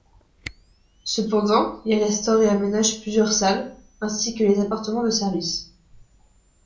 Cependant, il restaure et aménage plusieurs salles, ainsi que les appartements de service.